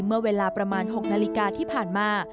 เมื่อเวลาประมาณ๖นาฬิกาที่ผ่านมา